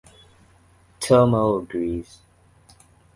Tomoe agrees.